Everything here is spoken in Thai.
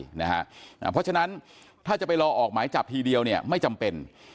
เพราะฉะนั้นถ้าจะไปรอออกหมายจับทีเดียวเนี่ยไม่จำเป็น